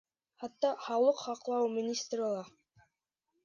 Хатта һаулыҡ һаҡлау министры ла